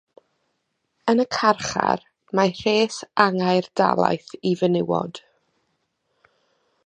Yn y carchar mae rhes angau'r dalaith i fenywod.